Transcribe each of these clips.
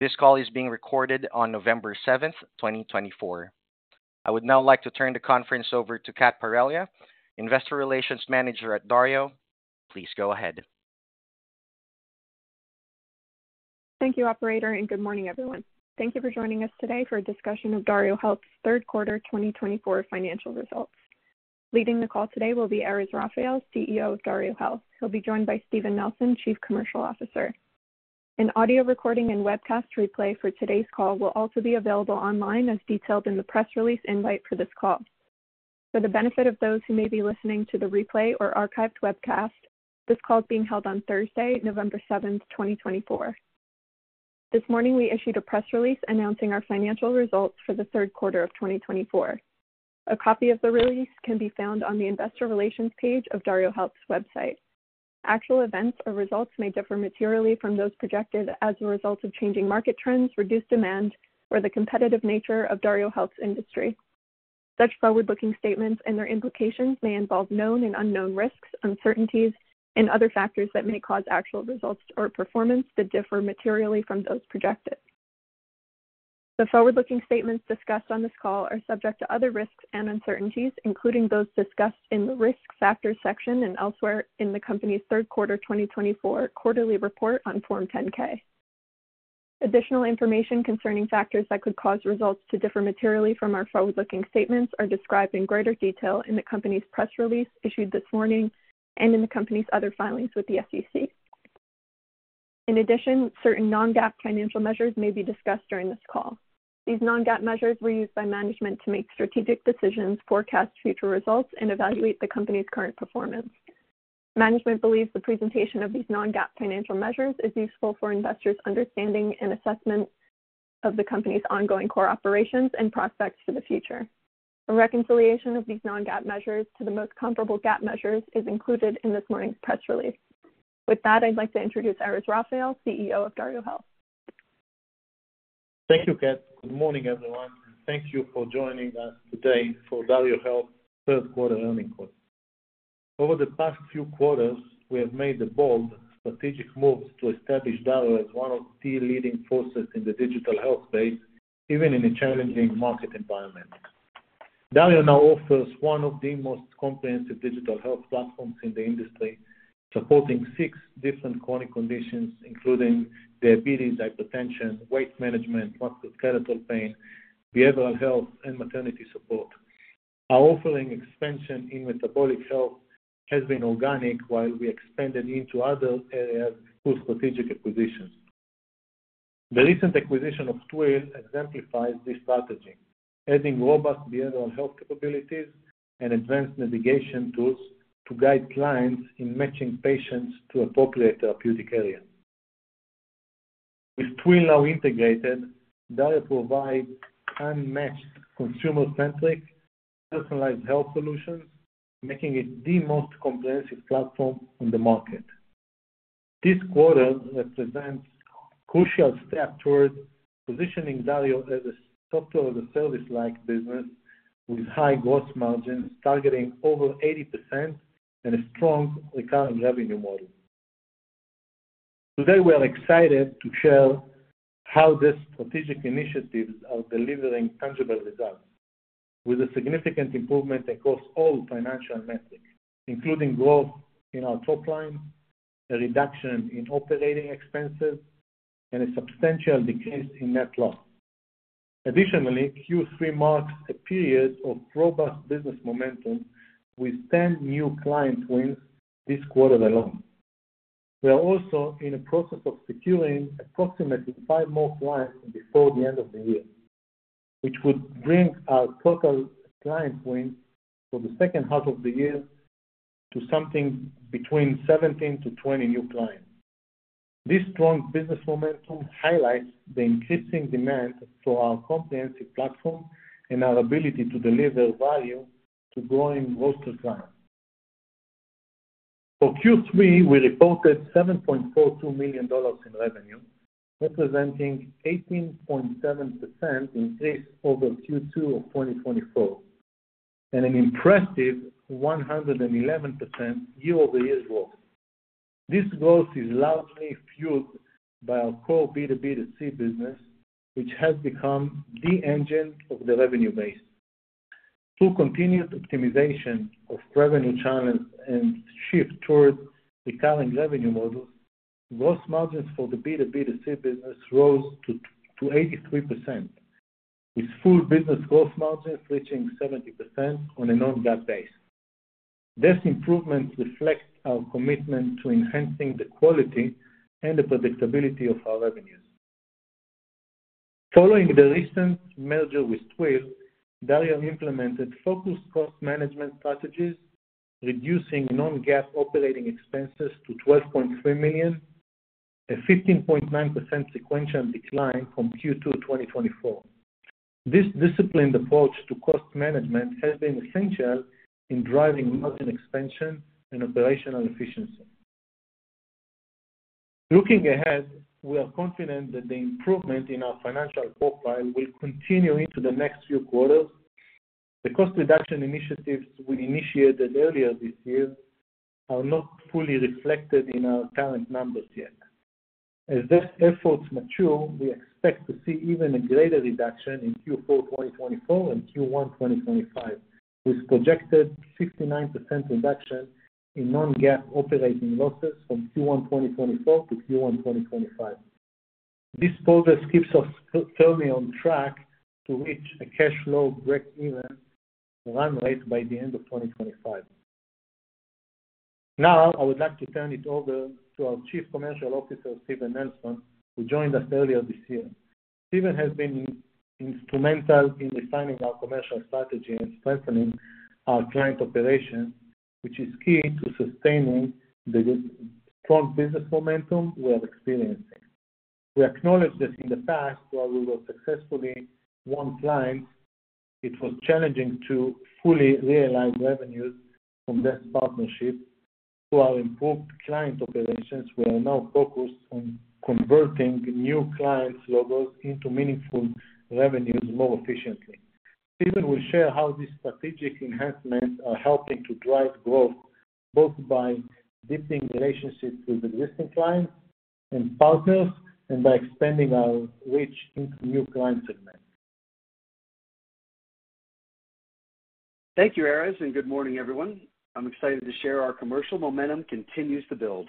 This call is being recorded on November 7th, 2024. I would now like to turn the conference over to Kat Parrella, Investor Relations Manager at Dario. Please go ahead. Thank you, Operator, and good morning, everyone. Thank you for joining us today for a discussion of DarioHealth's third quarter 2024 financial results. Leading the call today will be Erez Raphael, CEO of DarioHealth. He'll be joined by Steven Nelson, Chief Commercial Officer. An audio recording and webcast replay for today's call will also be available online as detailed in the press release invite for this call. For the benefit of those who may be listening to the replay or archived webcast, this call is being held on Thursday, November 7th, 2024. This morning, we issued a press release announcing our financial results for the third quarter of 2024. A copy of the release can be found on the Investor Relations page of DarioHealth's website. Actual events or results may differ materially from those projected as a result of changing market trends, reduced demand, or the competitive nature of DarioHealth's industry. Such forward-looking statements and their implications may involve known and unknown risks, uncertainties, and other factors that may cause actual results or performance to differ materially from those projected. The forward-looking statements discussed on this call are subject to other risks and uncertainties, including those discussed in the risk factors section and elsewhere in the company's third quarter 2024 quarterly report on Form 10-K. Additional information concerning factors that could cause results to differ materially from our forward-looking statements is described in greater detail in the company's press release issued this morning and in the company's other filings with the SEC. In addition, certain non-GAAP financial measures may be discussed during this call. These non-GAAP measures were used by management to make strategic decisions, forecast future results, and evaluate the company's current performance. Management believes the presentation of these non-GAAP financial measures is useful for investors' understanding and assessment of the company's ongoing core operations and prospects for the future. A reconciliation of these non-GAAP measures to the most comparable GAAP measures is included in this morning's press release. With that, I'd like to introduce Erez Raphael, CEO of DarioHealth. Thank you, Kat. Good morning, everyone. Thank you for joining us today for DarioHealth's third quarter earnings call. Over the past few quarters, we have made bold, strategic moves to establish Dario as one of the leading forces in the digital health space, even in a challenging market environment. Dario now offers one of the most comprehensive digital health platforms in the industry, supporting six different chronic conditions, including diabetes, hypertension, weight management, musculoskeletal pain, behavioral health, and maternity support. Our offering expansion in metabolic health has been organic while we expanded into other areas through strategic acquisitions. The recent acquisition of Twill exemplifies this strategy, adding robust behavioral health capabilities and advanced navigation tools to guide clients in matching patients to appropriate therapeutic areas. With Twill now integrated, Dario provides unmatched consumer-centric, personalized health solutions, making it the most comprehensive platform on the market. This quarter represents a crucial step towards positioning Dario as a software-as-a-service-like business with high gross margins targeting over 80% and a strong recurring revenue model. Today, we are excited to share how these strategic initiatives are delivering tangible results, with a significant improvement across all financial metrics, including growth in our top line, a reduction in operating expenses, and a substantial decrease in net loss. Additionally, Q3 marks a period of robust business momentum with 10 new client wins this quarter alone. We are also in the process of securing approximately five more clients before the end of the year, which would bring our total client wins for the second half of the year to something between 17 to 20 new clients. This strong business momentum highlights the increasing demand for our comprehensive platform and our ability to deliver value to growing roster clients. For Q3, we reported $7.42 million in revenue, representing an 18.7% increase over Q2 of 2024 and an impressive 111% year-over-year growth. This growth is largely fueled by our core B2B2C business, which has become the engine of the revenue base. Through continued optimization of revenue channels and shift towards recurring revenue models, gross margins for the B2B2C business rose to 83%, with full business gross margins reaching 70% on a non-GAAP base. This improvement reflects our commitment to enhancing the quality and the predictability of our revenues. Following the recent merger with Twill, Dario implemented focused cost management strategies, reducing non-GAAP operating expenses to $12.3 million, a 15.9% sequential decline from Q2 2024. This disciplined approach to cost management has been essential in driving margin expansion and operational efficiency. Looking ahead, we are confident that the improvement in our financial profile will continue into the next few quarters. The cost reduction initiatives we initiated earlier this year are not fully reflected in our current numbers yet. As these efforts mature, we expect to see even a greater reduction in Q4 2024 and Q1 2025, with a projected 69% reduction in non-GAAP operating losses from Q1 2024 to Q1 2025. This progress keeps us firmly on track to reach a cash flow break-even run rate by the end of 2025. Now, I would like to turn it over to our Chief Commercial Officer, Steven Nelson, who joined us earlier this year. Steven has been instrumental in refining our commercial strategy and strengthening our client operations, which is key to sustaining the strong business momentum we are experiencing. We acknowledge that in the past, while we were successfully one client, it was challenging to fully realize revenues from this partnership. Through our improved client operations, we are now focused on converting new clients' logos into meaningful revenues more efficiently. Steven will share how these strategic enhancements are helping to drive growth, both by deepening relationships with existing clients and partners and by expanding our reach into new client segments. Thank you, Erez, and good morning, everyone. I'm excited to share our commercial momentum continues to build.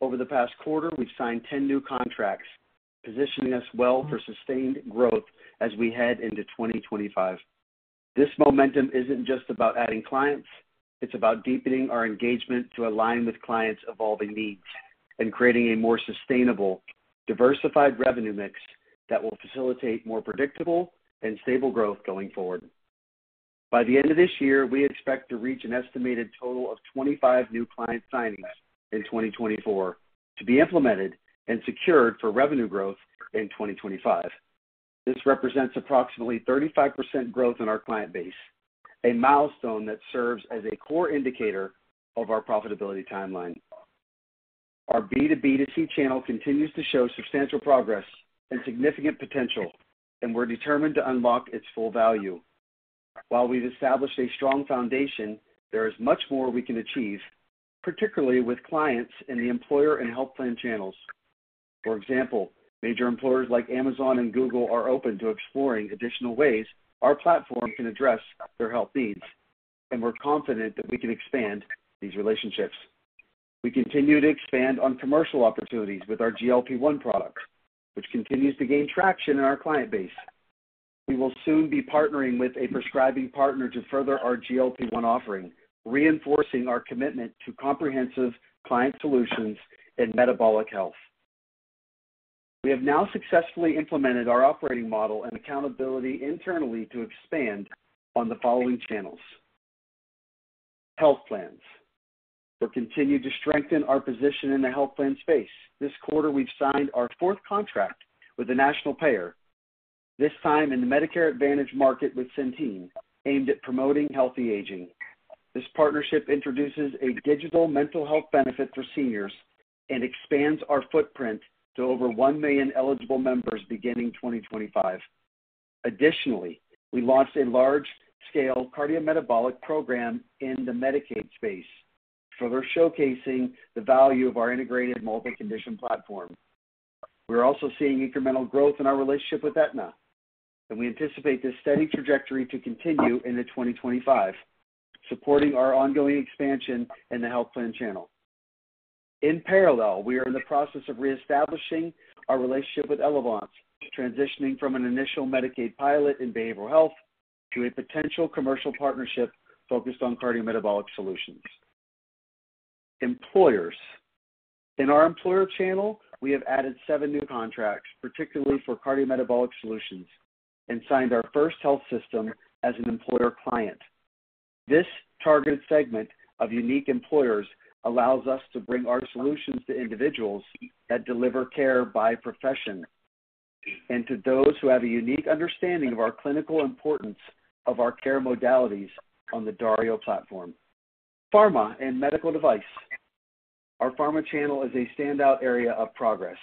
Over the past quarter, we've signed 10 new contracts, positioning us well for sustained growth as we head into 2025. This momentum isn't just about adding clients. It's about deepening our engagement to align with clients' evolving needs and creating a more sustainable, diversified revenue mix that will facilitate more predictable and stable growth going forward. By the end of this year, we expect to reach an estimated total of 25 new client signings in 2024 to be implemented and secured for revenue growth in 2025. This represents approximately 35% growth in our client base, a milestone that serves as a core indicator of our profitability timeline. Our B2B2C channel continues to show substantial progress and significant potential, and we're determined to unlock its full value. While we've established a strong foundation, there is much more we can achieve, particularly with clients in the employer and health plan channels. For example, major employers like Amazon and Google are open to exploring additional ways our platform can address their health needs, and we're confident that we can expand these relationships. We continue to expand on commercial opportunities with our GLP-1 product, which continues to gain traction in our client base. We will soon be partnering with a prescribing partner to further our GLP-1 offering, reinforcing our commitment to comprehensive client solutions and metabolic health. We have now successfully implemented our operating model and accountability internally to expand on the following channels: health plans. We're continuing to strengthen our position in the health plan space. This quarter, we've signed our fourth contract with a national payer, this time in the Medicare Advantage market with Centene, aimed at promoting healthy aging. This partnership introduces a digital mental health benefit for seniors and expands our footprint to over one million eligible members beginning 2025. Additionally, we launched a large-scale cardiometabolic program in the Medicaid space, further showcasing the value of our integrated multi-condition platform. We're also seeing incremental growth in our relationship with Aetna, and we anticipate this steady trajectory to continue into 2025, supporting our ongoing expansion in the health plan channel. In parallel, we are in the process of reestablishing our relationship with Elevance, transitioning from an initial Medicaid pilot in behavioral health to a potential commercial partnership focused on cardiometabolic solutions. Employers: In our employer channel, we have added seven new contracts, particularly for cardiometabolic solutions, and signed our first health system as an employer client. This targeted segment of unique employers allows us to bring our solutions to individuals that deliver care by profession and to those who have a unique understanding of our clinical importance of our care modalities on the Dario platform. Pharma and medical device: Our pharma channel is a standout area of progress.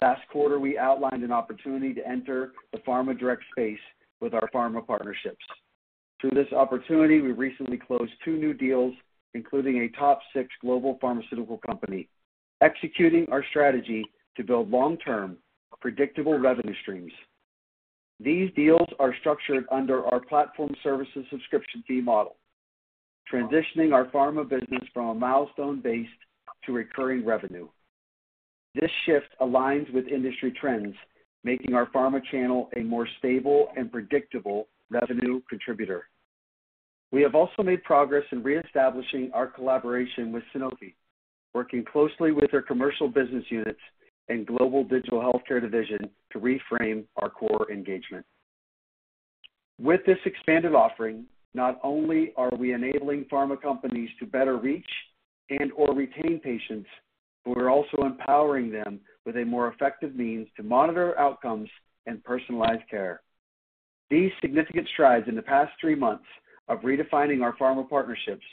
Last quarter, we outlined an opportunity to enter the pharma direct space with our pharma partnerships. Through this opportunity, we recently closed two new deals, including a top-six global pharmaceutical company, executing our strategy to build long-term, predictable revenue streams. These deals are structured under our platform services subscription fee model, transitioning our pharma business from a milestone-based to recurring revenue. This shift aligns with industry trends, making our pharma channel a more stable and predictable revenue contributor. We have also made progress in reestablishing our collaboration with Sanofi, working closely with our commercial business units and global digital healthcare division to reframe our core engagement. With this expanded offering, not only are we enabling pharma companies to better reach and/or retain patients, but we're also empowering them with a more effective means to monitor outcomes and personalize care. These significant strides in the past three months have redefined our pharma partnerships,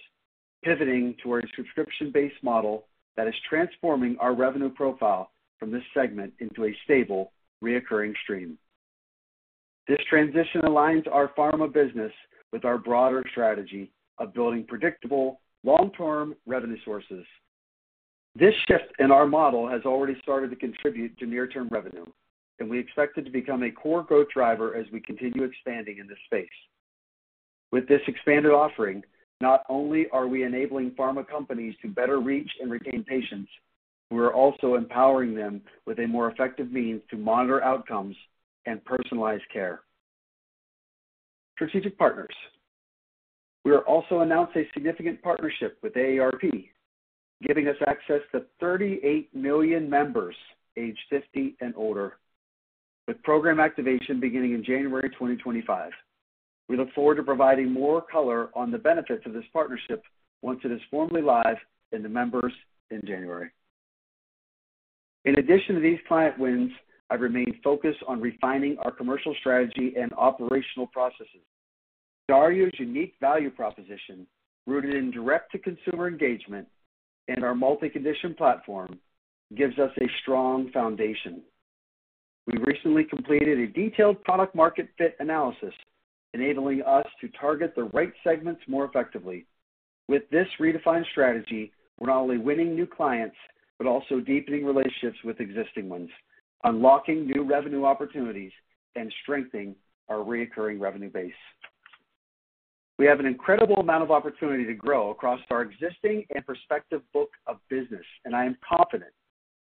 pivoting to a subscription-based model that is transforming our revenue profile from this segment into a stable, recurring stream. This transition aligns our pharma business with our broader strategy of building predictable, long-term revenue sources. This shift in our model has already started to contribute to near-term revenue, and we expect it to become a core growth driver as we continue expanding in this space. With this expanded offering, not only are we enabling pharma companies to better reach and retain patients, we're also empowering them with a more effective means to monitor outcomes and personalize care. Strategic partners: We are also announcing a significant partnership with AARP, giving us access to 38 million members aged 50 and older, with program activation beginning in January 2025. We look forward to providing more color on the benefits of this partnership once it is formally live for the members in January. In addition to these client wins, I've remained focused on refining our commercial strategy and operational processes. Dario's unique value proposition, rooted in direct-to-consumer engagement and our multi-condition platform, gives us a strong foundation. We recently completed a detailed product-market fit analysis, enabling us to target the right segments more effectively. With this redefined strategy, we're not only winning new clients but also deepening relationships with existing ones, unlocking new revenue opportunities, and strengthening our recurring revenue base. We have an incredible amount of opportunity to grow across our existing and prospective book of business, and I am confident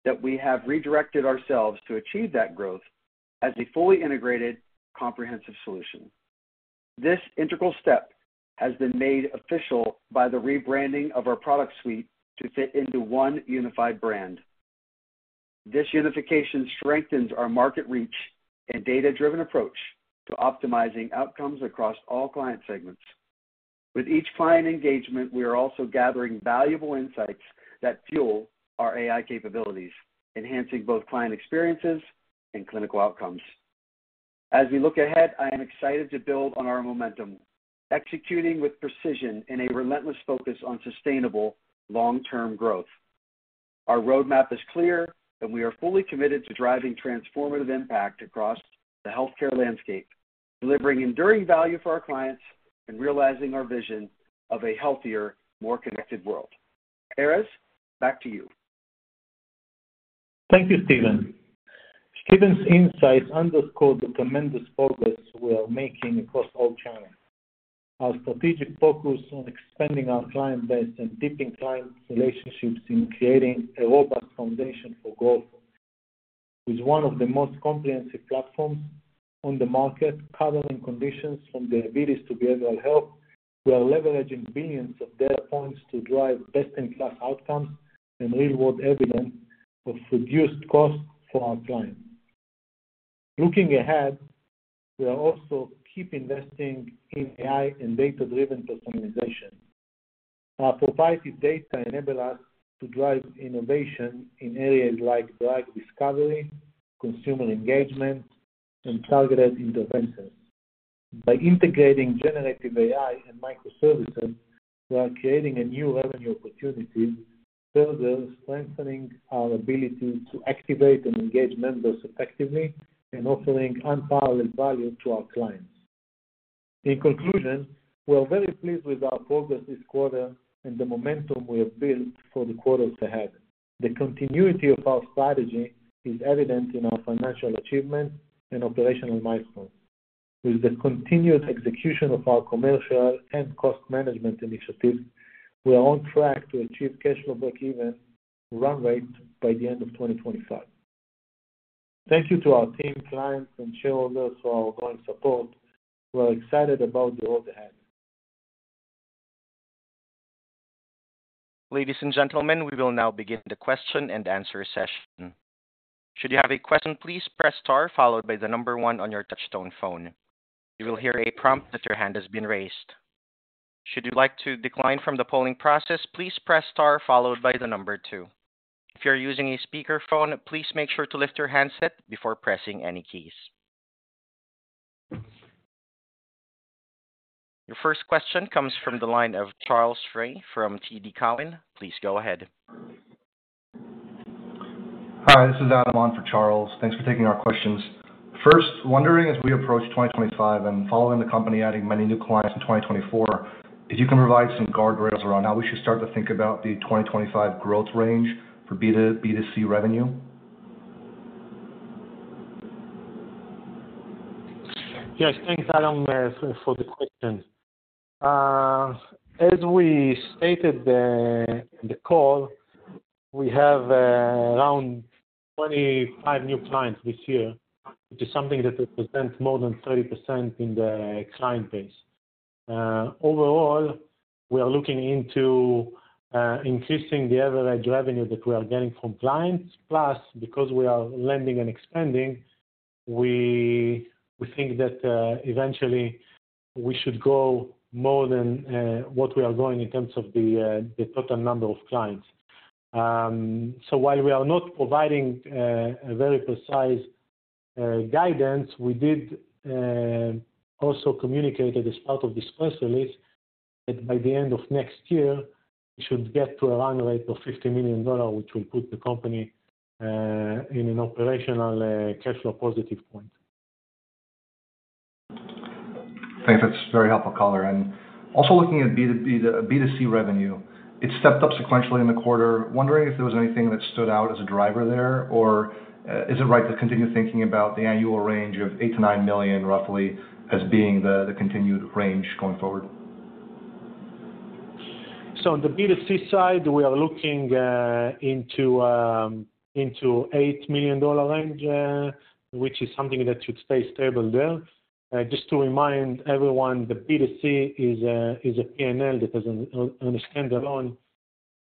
that we have redirected ourselves to achieve that growth as a fully integrated, comprehensive solution. This integral step has been made official by the rebranding of our product suite to fit into one unified brand. This unification strengthens our market reach and data-driven approach to optimizing outcomes across all client segments. With each client engagement, we are also gathering valuable insights that fuel our AI capabilities, enhancing both client experiences and clinical outcomes. As we look ahead, I am excited to build on our momentum, executing with precision and a relentless focus on sustainable, long-term growth. Our roadmap is clear, and we are fully committed to driving transformative impact across the healthcare landscape, delivering enduring value for our clients and realizing our vision of a healthier, more connected world. Erez, back to you. Thank you, Steven. Steven's insights underscored the tremendous progress we are making across all channels. Our strategic focus on expanding our client base and deepening client relationships in creating a robust foundation for growth is one of the most comprehensive platforms on the market, covering conditions from diabetes to behavioral health. We are leveraging billions of data points to drive best-in-class outcomes and real-world evidence of reduced costs for our clients. Looking ahead, we are also keep investing in AI and data-driven personalization. Our proprietary data enables us to drive innovation in areas like drug discovery, consumer engagement, and targeted interventions. By integrating generative AI and microservices, we are creating a new revenue opportunity, further strengthening our ability to activate and engage members effectively and offering unparalleled value to our clients. In conclusion, we are very pleased with our progress this quarter and the momentum we have built for the quarters ahead. The continuity of our strategy is evident in our financial achievements and operational milestones. With the continued execution of our commercial and cost management initiatives, we are on track to achieve cash flow break-even run rate by the end of 2025. Thank you to our team, clients, and shareholders for our ongoing support. We are excited about the road ahead. Ladies and gentlemen, we will now begin the question and answer session. Should you have a question, please press star, followed by the number one on your touch- tone phone. You will hear a prompt that your hand has been raised. Should you like to decline from the polling process, please press star, followed by the number two. If you're using a speakerphone, please make sure to lift your handset before pressing any keys. Your first question comes from the line of Charles Rhyee from TD Cowen. Please go ahead. Hi, this is Adam Maeder, Charles. Thanks for taking our questions. First, wondering, as we approach 2025 and following the company adding many new clients in 2024, if you can provide some guardrails around how we should start to think about the 2025 growth range for B2B2C revenue? Yes, thanks, Adam, for the question. As we stated in the call, we have around 25 new clients this year, which is something that represents more than 30% in the client base. Overall, we are looking into increasing the average revenue that we are getting from clients. Plus, because we are landing and expanding, we think that eventually we should go more than what we are going in terms of the total number of clients. So while we are not providing very precise guidance, we did also communicate it as part of this press release that by the end of next year, we should get to a run rate of $50 million, which will put the company in an operational cash flow positive point. Thanks. That's very helpful color. And also looking at B2B2C revenue, it stepped up sequentially in the quarter. Wondering if there was anything that stood out as a driver there, or is it right to continue thinking about the annual range of $8 million-$9 million, roughly, as being the continued range going forward? On the B2C side, we are looking into an $8 million range, which is something that should stay stable there. Just to remind everyone, the B2C is a P&L that is a standalone.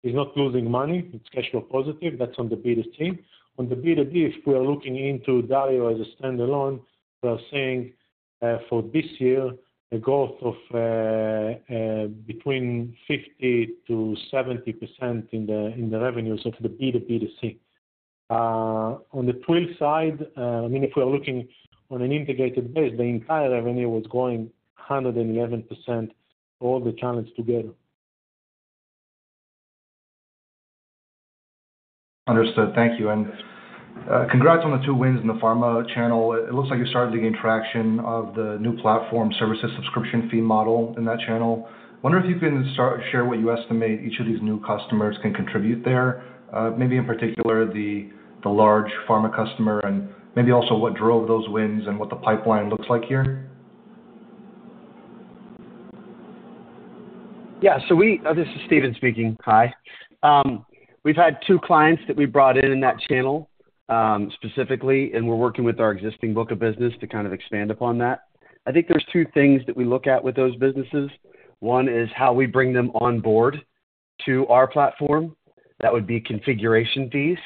It's not losing money. It's cash flow positive. That's on the B2C. On the B2B, if we are looking into Dario as a standalone, we are seeing for this year a growth of between 50%-70% in the revenues of the B2B2C. On the Twill side, I mean, if we are looking on an integrated base, the entire revenue was growing 111%, all the channels together. Understood. Thank you. And congrats on the two wins in the pharma channel. It looks like you're starting to gain traction of the new platform services subscription fee model in that channel. Wonder if you can share what you estimate each of these new customers can contribute there, maybe in particular the large pharma customer, and maybe also what drove those wins and what the pipeline looks like here? Yeah, so we, this is Steven speaking. Hi. We've had two clients that we brought in in that channel specifically, and we're working with our existing book of business to kind of expand upon that. I think there's two things that we look at with those businesses. One is how we bring them onboard to our platform. That would be configuration fees,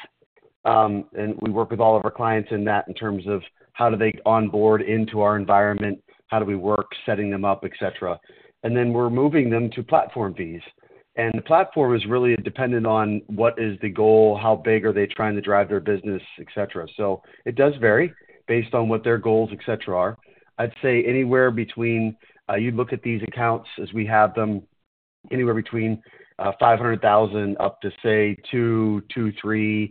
and we work with all of our clients in that in terms of how do they onboard into our environment, how do we work, setting them up, etc., and then we're moving them to platform fees, and the platform is really dependent on what is the goal, how big are they trying to drive their business, etc., so it does vary based on what their goals, etc. are. I'd say anywhere between 500,000 up to, say, 2-3.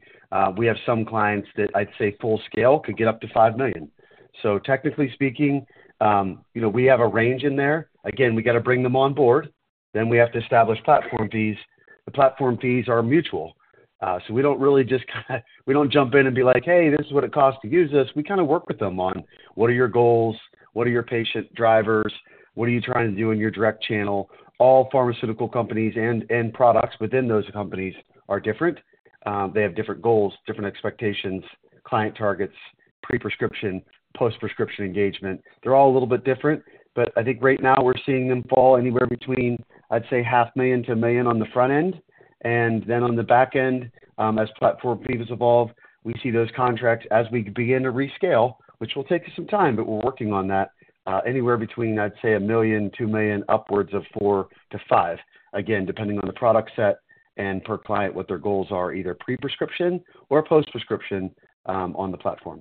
We have some clients that I'd say full scale could get up to 5 million. So technically speaking, we have a range in there. Again, we got to bring them on board. Then we have to establish platform fees. The platform fees are mutual. So we don't really just kind of jump in and be like, "Hey, this is what it costs to use this." We kind of work with them on what are your goals, what are your patient drivers, what are you trying to do in your direct channel. All pharmaceutical companies and products within those companies are different. They have different goals, different expectations, client targets, pre-prescription, post-prescription engagement. They're all a little bit different. But I think right now we're seeing them fall anywhere between, I'd say, $500,000 to $1 million on the front end. And then on the back end, as platform fees evolve, we see those contracts as we begin to rescale, which will take some time, but we're working on that, anywhere between, I'd say, $1 million, $2 million upwards of $4 million to $5 million, again, depending on the product set and per client what their goals are, either pre-prescription or post-prescription on the platform.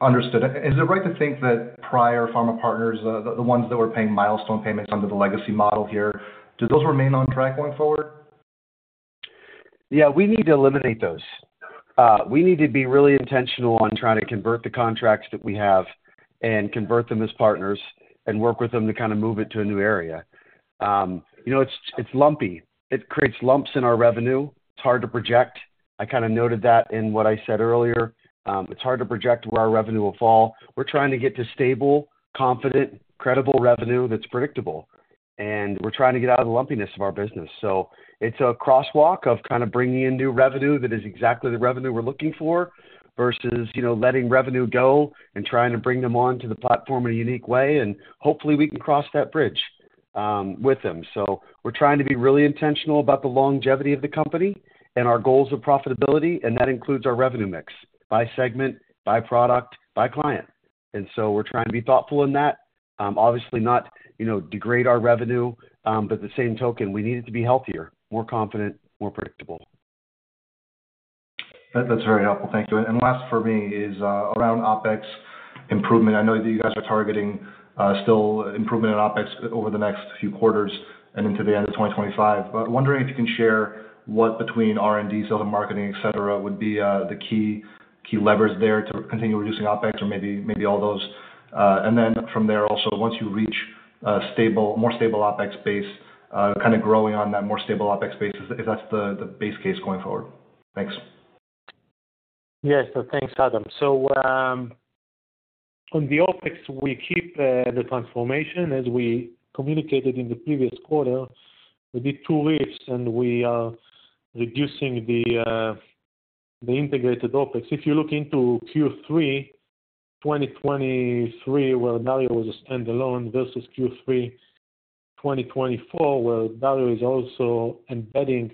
Understood. Is it right to think that prior pharma partners, the ones that were paying milestone payments under the legacy model here, do those remain on track going forward? Yeah. We need to eliminate those. We need to be really intentional on trying to convert the contracts that we have and convert them as partners and work with them to kind of move it to a new area. It's lumpy. It creates lumps in our revenue. It's hard to project. I kind of noted that in what I said earlier. It's hard to project where our revenue will fall. We're trying to get to stable, confident, credible revenue that's predictable. And we're trying to get out of the lumpiness of our business. So it's a crosswalk of kind of bringing in new revenue that is exactly the revenue we're looking for versus letting revenue go and trying to bring them onto the platform in a unique way. And hopefully, we can cross that bridge with them. So we're trying to be really intentional about the longevity of the company and our goals of profitability. And that includes our revenue mix: by segment, by product, by client. And so we're trying to be thoughtful in that, obviously not degrade our revenue, but at the same token, we need it to be healthier, more confident, more predictable. That's very helpful. Thank you. And last for me is around OpEx improvement. I know that you guys are targeting still improvement in OpEx over the next few quarters and into the end of 2025. But wondering if you can share what between R&D, sales and marketing, etc., would be the key levers there to continue reducing OpEx or maybe all those? And then from there, also, once you reach a more stable OpEx base, kind of growing on that more stable OpEx base, if that's the base case going forward. Thanks. Yes. So thanks, Adam. So on the OpEx, we keep the transformation as we communicated in the previous quarter. We did two lifts, and we are reducing the integrated OpEx. If you look into Q3 2023, where Dario was a standalone versus Q3 2024, where Dario is also embedding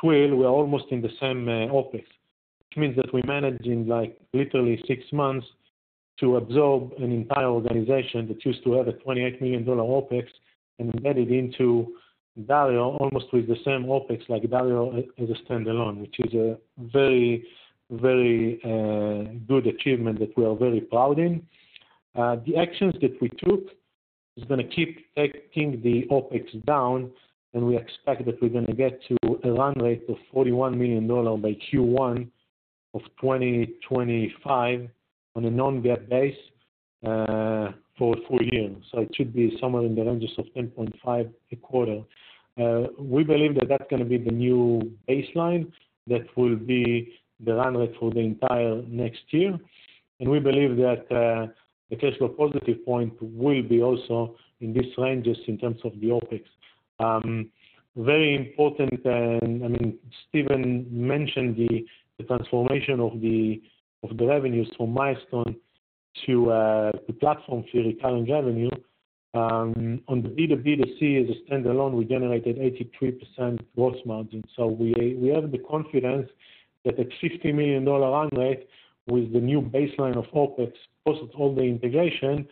Twill, we're almost in the same OpEx. Which means that we're managing literally six months to absorb an entire organization that used to have a $28 million OpEx and embedded into Dario almost with the same OpEx like Dario as a standalone, which is a very, very good achievement that we are very proud in. The actions that we took is going to keep taking the OpEx down, and we expect that we're going to get to a run rate of $41 million by Q1 of 2025 on a Non-GAAP base for a full year. So it should be somewhere in the ranges of 10.5 a quarter. We believe that that's going to be the new baseline that will be the run rate for the entire next year. And we believe that the cash flow positive point will be also in these ranges in terms of the OpEx. Very important. And I mean, Steven mentioned the transformation of the revenues from milestone to platform fee recurring revenue. On the B2B2C as a standalone, we generated 83% gross margin. So we have the confidence that at $50 million run rate with the new baseline of OpEx, plus all the integration,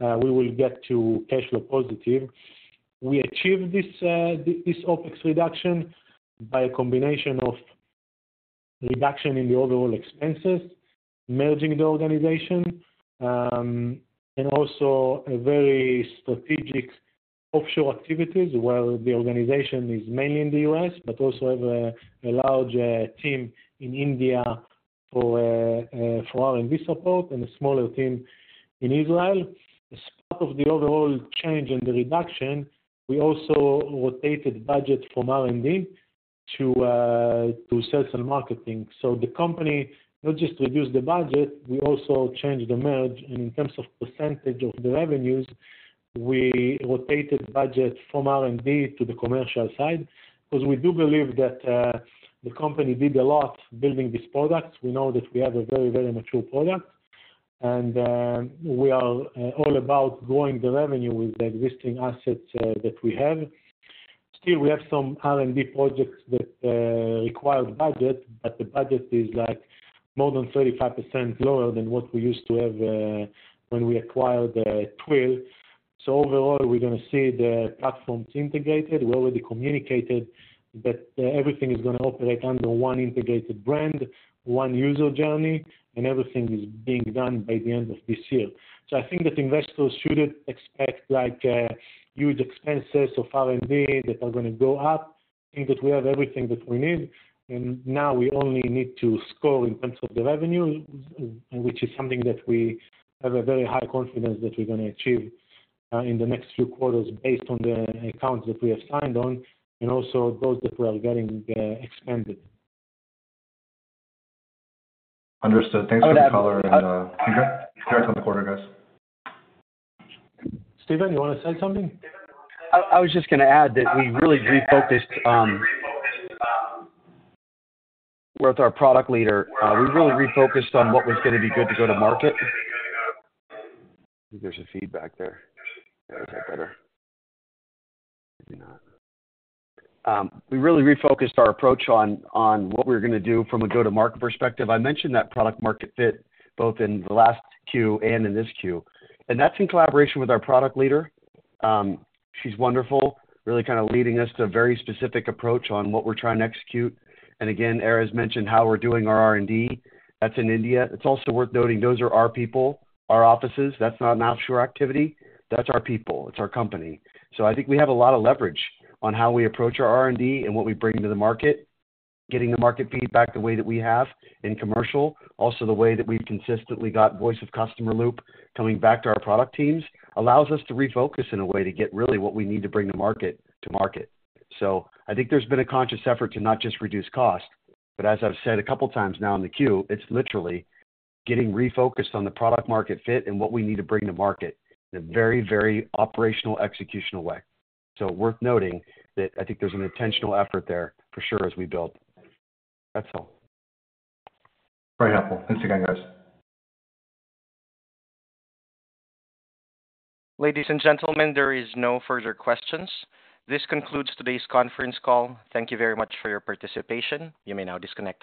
we will get to cash flow positive. We achieved this OpEx reduction by a combination of reduction in the overall expenses, merging the organization, and also very strategic offshore activities where the organization is mainly in the U.S., but also have a large team in India for R&D support and a smaller team in Israel. As part of the overall change and the reduction, we also rotated budget from R&D to sales and marketing. So the company not just reduced the budget, we also changed the merge. And in terms of percentage of the revenues, we rotated budget from R&D to the commercial side because we do believe that the company did a lot building these products. We know that we have a very, very mature product, and we are all about growing the revenue with the existing assets that we have. Still, we have some R&D projects that required budget, but the budget is more than 35% lower than what we used to have when we acquired Twill. So overall, we're going to see the platforms integrated. We already communicated that everything is going to operate under one integrated brand, one user journey, and everything is being done by the end of this year. So I think that investors shouldn't expect huge expenses of R&D that are going to go up. I think that we have everything that we need. And now we only need to score in terms of the revenue, which is something that we have a very high confidence that we're going to achieve in the next few quarters based on the accounts that we have signed on and also those that we are getting expanded. Understood. Thanks for that color. And congrats on the quarter, guys. Steven, you want to say something? I was just going to add that we really refocused with our product leader. We really refocused on what was going to be good to go to market. I think there's a feedback there. Is that better? Maybe not. We really refocused our approach on what we're going to do from a go-to-market perspective. I mentioned that product-market fit both in the last Q and in this Q, and that's in collaboration with our product leader. She's wonderful, really kind of leading us to a very specific approach on what we're trying to execute, and again, Erez mentioned how we're doing our R&D. That's in India. It's also worth noting those are our people, our offices. That's not an offshore activity. That's our people. It's our company. So I think we have a lot of leverage on how we approach our R&D and what we bring to the market, getting the market feedback the way that we have in commercial, also the way that we've consistently got voice of customer loop coming back to our product teams allows us to refocus in a way to get really what we need to bring to market. So I think there's been a conscious effort to not just reduce cost, but as I've said a couple of times now in the Q, it's literally getting refocused on the product-market fit and what we need to bring to market in a very, very operational executional way. So worth noting that I think there's an intentional effort there for sure as we build. That's all. Very helpful. Thanks again, guys. Ladies and gentlemen, there is no further questions. This concludes today's conference call. Thank you very much for your participation. You may now disconnect.